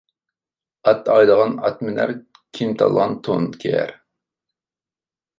ئات ئايلىغان ئات مىنەر، كىيىم تاللىغان تون كىيەر.